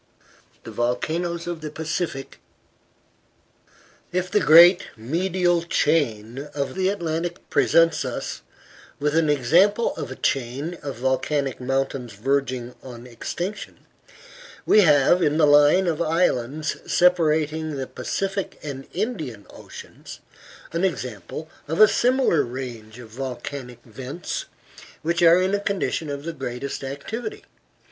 VOLCANOES OF THE PACIFIC If the great medial chain of the Atlantic presents us with an example of a chain of volcanic mountains verging on extinction, we have in the line of islands separating the Pacific and Indian Oceans an example of a similar range of volcanic vents which are in a condition of the greatest activity.